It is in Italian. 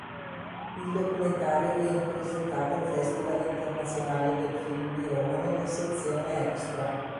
Il documentario viene presentato al Festival internazionale del film di Roma nella sezione Extra.